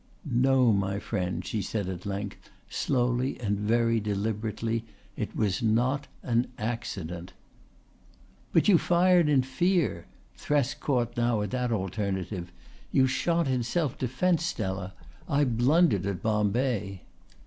"No, my friend," she said at length, slowly and very deliberately. "It was not an accident." "But you fired in fear." Thresk caught now at that alternative. "You shot in self defence. Stella, I blundered at Bombay."